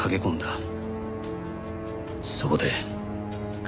そこで。